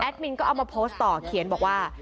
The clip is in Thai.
มินก็เอามาโพสต์ต่อเขียนบอกว่า